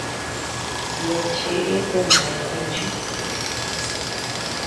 Nee cheʼe dü ñëʼe kuchii.